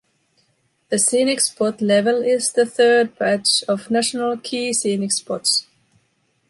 The scenic spot level is the third batch of national key scenic spots.